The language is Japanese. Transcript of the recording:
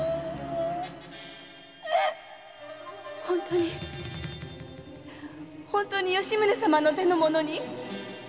本当に本当に吉宗様の手の者に？